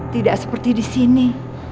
tidak seperti disini